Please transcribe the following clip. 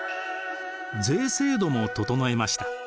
税制度も整えました。